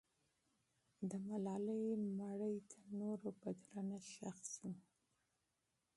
د ملالۍ مړی تر نورو په درنښت ښخ سو.